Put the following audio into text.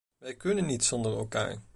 Wij kunnen niet zonder elkaar.